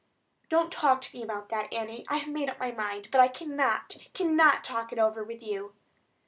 "Don't talk to me about that, Annie. I have made up my mind; but I cannot, cannot talk it over with you."